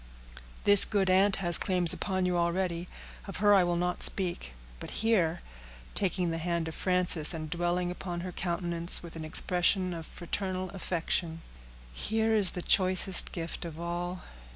"This good aunt has claims upon you already; of her I will not speak; but here," taking the hand of Frances, and dwelling upon her countenance with an expression of fraternal affection, "here is the choicest gift of all.